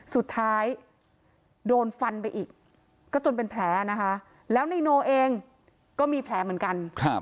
สุดท้ายโดนฟันไปอีกก็จนเป็นแผลนะคะแล้วนายโนเองก็มีแผลเหมือนกัน